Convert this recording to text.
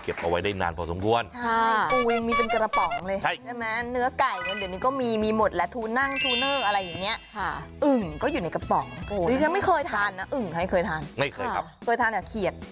เทียดสั่งจริงทานด้วยความตั้งใจหรือบังเอิญ